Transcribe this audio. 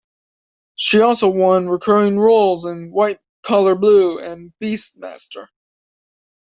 She also won recurring roles in "White Collar Blue" and "BeastMaster".